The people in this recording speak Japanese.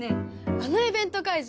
あのイベント会場